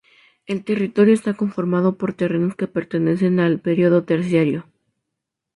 El territorio está conformado por terrenos que pertenecen al periodo terciario.